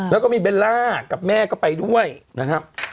ปามี่ใส่แว่นขาวนี่ไง